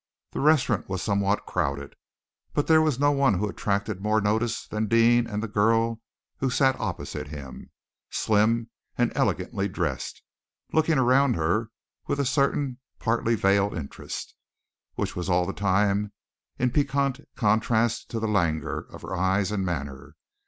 The restaurant was somewhat crowded, but there was no one who attracted more notice than Deane and the girl who sat opposite him, slim, and elegantly dressed, looking around her with a certain partly veiled interest, which was all the time in piquant contrast to the languor of her eyes and manner.